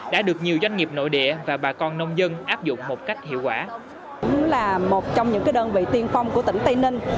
đã được nhiều doanh nghiệp nội địa và bà con nông dân áp dụng một cách hiệu quả